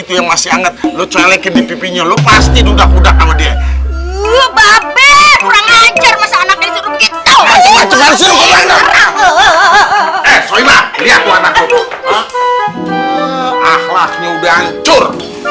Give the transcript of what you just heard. itu yang masih anget lu celek di pipinya lu pasti dudak dudak sama dia udah anjur